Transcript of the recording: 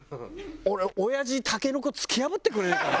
俺親父タケノコ突き破ってくれねえかな。